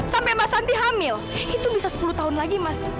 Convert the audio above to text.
sampai mas santi hamil itu bisa sepuluh tahun lagi mas